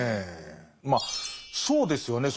まあそうですよね。